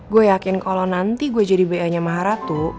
gue yakin kalau nanti gue jadi bayinya maharatu